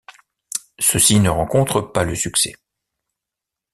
Ceux-ci ne rencontrent pas le succès.